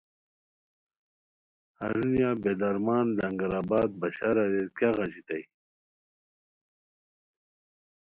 ہرونیہ بے درمان لنگرآباد بشار اریر کیاغ اژیتائے